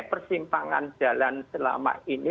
kekejangan jalan selama ini